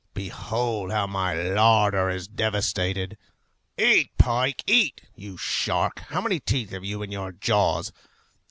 Behold, how my larder is devastated! Eat, pike, eat! You shark! how many teeth have you in your jaws?